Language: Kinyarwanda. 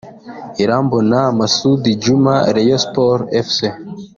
Irambona Massoud Djuma (Rayon Sports Fc)